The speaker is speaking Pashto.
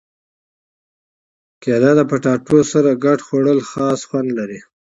کېله د کچالو سره ګډ خوړل خاص خوند لري.